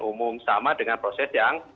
umum sama dengan proses yang